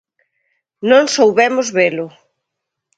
Non soubemos velo.